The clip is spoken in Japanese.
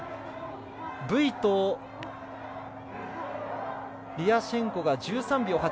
ブイとリアシェンコが１３秒８。